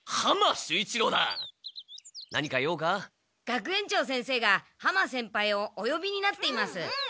学園長先生が浜先輩をおよびになっています。